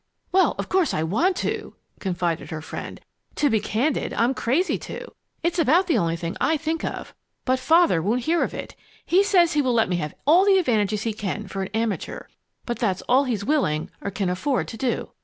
"Well, of course I want to," confided her friend. "To be candid I'm crazy to. It's about the only thing I think of. But Father won't hear of it. He says he will let me have all the advantages he can, for an amateur, but that's all he's willing or can afford to do.